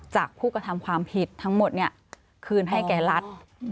จากผู้กระทำความผิดทั้งหมดคืนให้แก่รัฐ